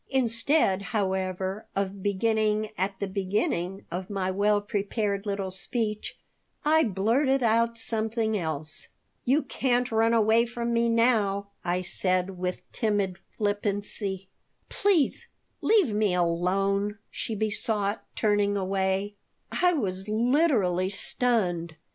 Instead, however, of beginning at the beginning of my well prepared little speech, I blurted out something else "You can't run away from me now," I said, with timid flippancy "Please, leave me alone," she besought, turning away I was literally stunned.